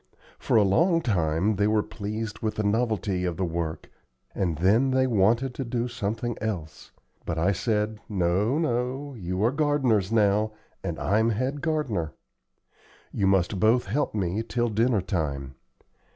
For a long time they were pleased with the novelty of the work, and then they wanted to do something else, but I said: "No, no; you are gardeners now, and I'm head gardener. You must both help me till dinner time.